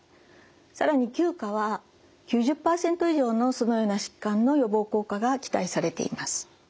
更に９価は９０％以上のそのような疾患の予防効果が期待されています。